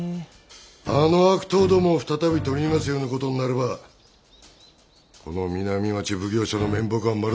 あの悪党どもを再び取り逃がすようなことになればこの南町奉行所の面目は丸潰れだ。